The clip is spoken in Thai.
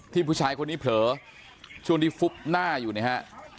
ผู้ชายคนนี้เผลอช่วงที่ฟุบหน้าอยู่เนี่ยฮะ